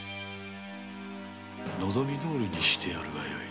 望みどおりにしてやるがよい。